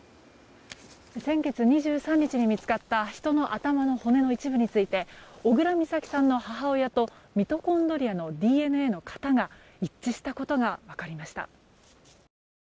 先月２３日に見つかった人の頭の骨の一部について小倉美咲さんの母親とミトコンドリアのＤＮＡの型が一致したことが分かりました。